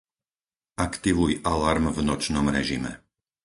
Aktivuj alarm v nočnom režime.